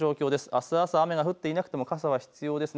あす朝、雨が降っていなくても傘は必要です。